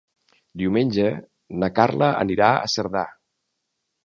Diumenge na Carla anirà a Cerdà.